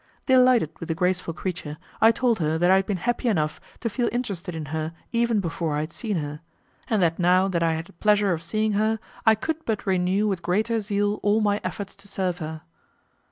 Delighted with the graceful creature, I told her that I had been happy enough to feel interested in her even before I had seen her, and that now that I had the pleasure of seeing her, I could but renew with greater zeal all my efforts to serve her.